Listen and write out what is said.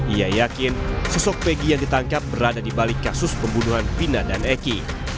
ia yakin sosok pegi yang ditangkap berada di balik kasus pembunuhan pina dan eki